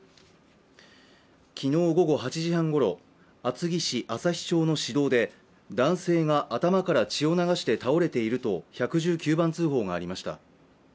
昨日午後８時半ごろ、厚木市旭町の市道で、男性が頭から血を流して倒れていると１１９番通報がありました。